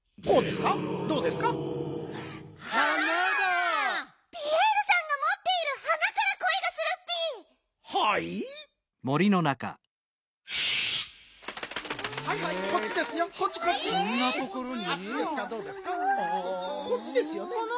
こっちですよね。